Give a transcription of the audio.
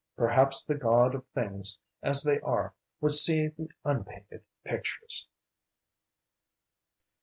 Perhaps the God of things as they are would see the unpainted pictures.